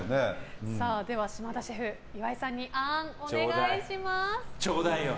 島田シェフ、岩井さんにあーん、お願いします。